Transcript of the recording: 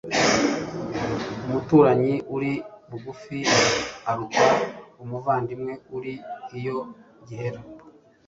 umuturanyi uri bugufi aruta umuvandimwe uri iyo gihera